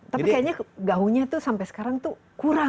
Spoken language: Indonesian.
tapi kayaknya gaunya itu sampai sekarang kurang